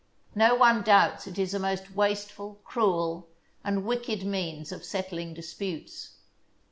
No one doubts it is a most wasteful, cruel, and wicked means of settling disputes.